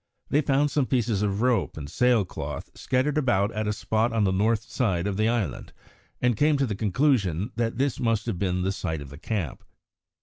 They found some pieces of rope and sail cloth scattered about at a spot on the north side of the island, and came to the conclusion that this must have been the site of the camp.